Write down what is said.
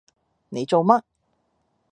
你做乜？